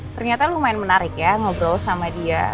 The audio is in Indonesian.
ternyata lumayan menarik ya ngobrol sama dia